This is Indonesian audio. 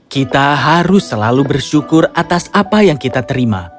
kita harus selalu bersyukur atas apa yang kita terima